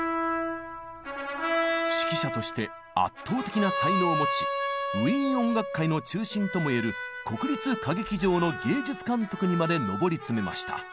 指揮者として圧倒的な才能を持ちウィーン音楽界の中心ともいえる国立歌劇場の芸術監督にまで上り詰めました。